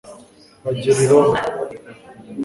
bagera i roma